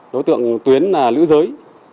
đối tượng tuyến là lữ giới